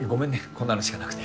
こんなのしかなくて。